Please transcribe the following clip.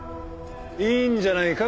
いいんじゃないか？